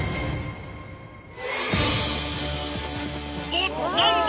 おっ何だ？